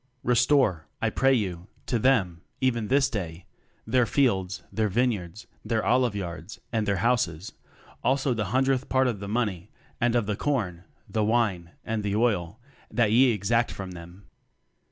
"Restore, I pray you, to them, even this day, their fields, their vineyards, their olive yards, and their houses, also the hundredth part of the money, and of the corn, the wine, and the oil, that ye exact of them.